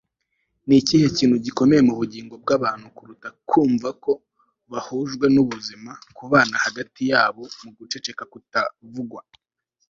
ni ikihe kintu gikomeye ku bugingo bw'abantu kuruta kumva ko bahujwe n'ubuzima - kubana hagati yabo mu guceceka kutavugwa